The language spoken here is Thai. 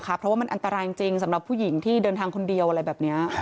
เพราะว่ามันอันตรายจริงสำหรับผู้หญิงที่เดินทางคนเดียวอะไรแบบนี้